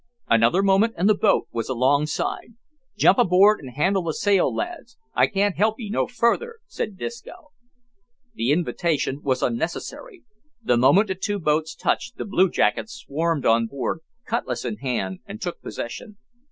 Another moment and the boat was alongside. "Jump aboard and handle the sail, lads; I can't help 'ee no further," said Disco. The invitation was unnecessary. The moment the two boats touched, the blue jackets swarmed on board, cutlass in hand, and took possession.